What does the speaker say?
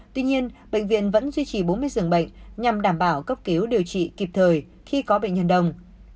tuy nhiên bệnh viện vẫn duy trì bốn mươi giường bệnh nhằm đảm bảo cấp cứu điều trị kịp thời khi có bệnh nhân đông